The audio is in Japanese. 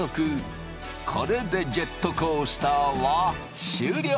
これでジェットコースターは終了。